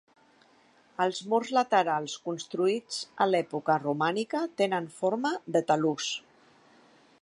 Els murs laterals, construïts a l'època romànica, tenen forma de talús.